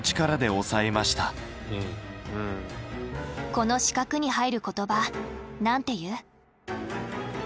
この四角に入る言葉なんて言う？